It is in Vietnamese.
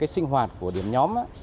sinh hoạt của điểm nhóm